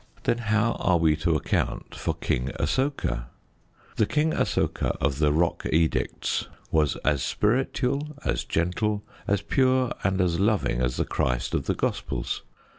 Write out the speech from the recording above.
Then how are we to account for King Asoka? The King Asoka of the Rock Edicts was as spiritual, as gentle, as pure, and as loving as the Christ of the Gospels.